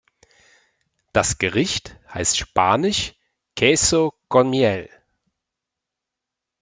Das Gericht heißt spanisch 'Queso con Miel'.